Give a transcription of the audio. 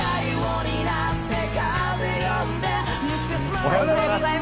おはようございます。